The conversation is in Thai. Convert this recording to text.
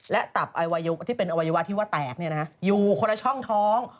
และตับที่เป็นอวัยวะที่ว่าแตกอยู่คนละช่องท้อง